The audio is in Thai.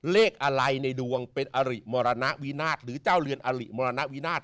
เลขอะไรในดวงเป็นอริมรณวินาศหรือเจ้าเรือนอริมรณวินาท